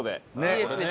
いいですね。